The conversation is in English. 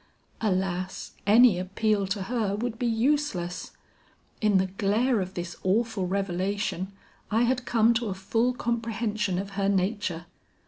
Alas, any appeal to her would be useless. In the glare of this awful revelation I had come to a full comprehension of her nature.